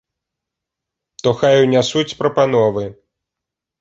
То хай унясуць прапановы!